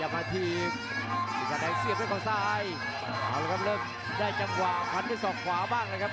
นี่ครับจังหวาท์แล้ววางแท่งครับ